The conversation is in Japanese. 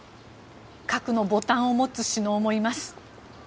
核のボタンを持つ首脳もいます。